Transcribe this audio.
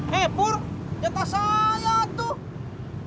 hei pur jatah saya tuh